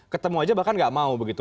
ketemu aja bahkan gak mau begitu